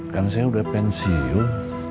kan saya udah pensiun